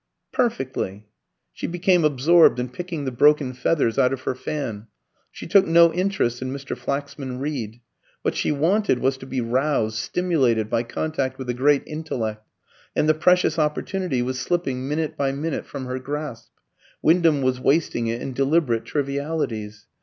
"Perfectly." She became absorbed in picking the broken feathers out of her fan. She took no interest in Mr. Flaxman Reed. What she wanted was to be roused, stimulated by contact with a great intellect; and the precious opportunity was slipping minute by minute from her grasp. Wyndham was wasting it in deliberate trivialities.